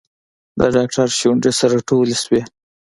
د ډاکتر شونډې سره ټولې شوې.